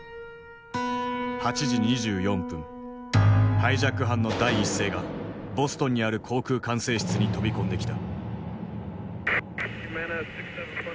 ハイジャック犯の第一声がボストンにある航空管制室に飛び込んできた。